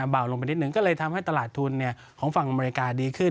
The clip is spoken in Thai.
เบาลงไปนิดนึงก็เลยทำให้ตลาดทุนของฝั่งอเมริกาดีขึ้น